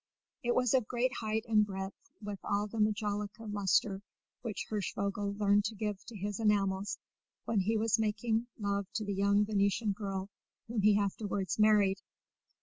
It was of great height and breadth, with all the majolica lustre which Hirschvogel learned to give to his enamels when he was making love to the young Venetian girl whom he afterwards married.